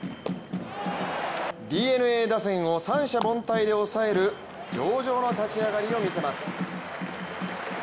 ＤｅＮＡ打線を三者凡退で抑える上々の立ち上がりを見せます。